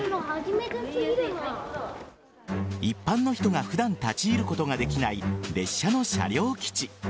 一般の人が普段、立ち入ることができない列車の車両基地。